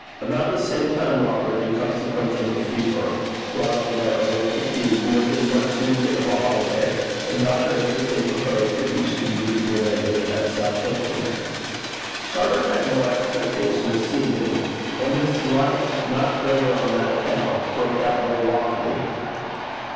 About the same time Robert, in consequence of a fever brought on by over fatigue, was in much need of a holiday; and Dr. Anderson proposed that he should meet Moray at Southampton. Shargar had no expectation of seeing him, and his delight, not greater on that account, broke out more wildly.